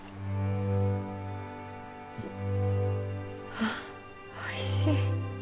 はあおいしい。